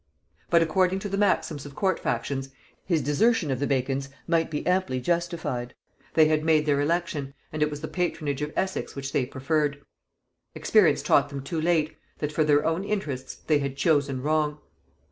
But according to the maxims of court factions his desertion of the Bacons might be amply justified; they had made their election, and it was the patronage of Essex which they preferred. Experience taught them too late, that for their own interests they had chosen wrong.